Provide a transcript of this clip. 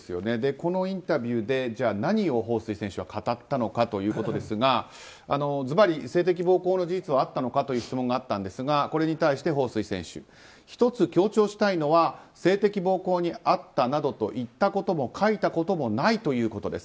このインタビューで何をホウ・スイ選手は語ったのかということですがズバリ性的暴行の事実はあったのかという質問があったんですがこれに対して、ホウ・スイ選手１つ強調したいのは性的暴行に遭ったなどと言ったことも書いたこともないということです